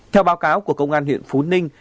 theo báo cáo của công an huyện phú ninh